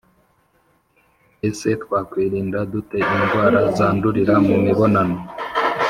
Ese twakwirinda dute indwara zandurira mu mibonano